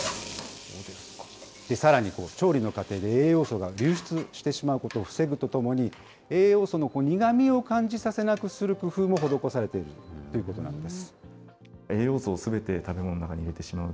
さらに、調理の過程で流出してしまうことを防ぐとともに、栄養素の苦みを感じさせなくする工夫も施されているということなんです。